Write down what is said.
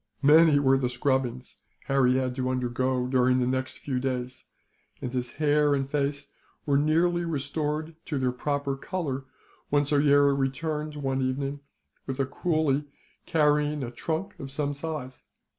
Many were the scrubbings Harry had to undergo, during the next few days; and his hair and face were nearly restored to their proper colour when Soyera returned, one evening, with a coolie carrying a trunk of some size.